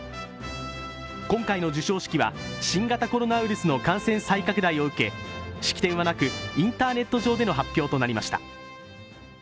今回の授賞式は新型コロナウイルスの感染再拡大を受け式典はなく、インターネット上での発表となりました。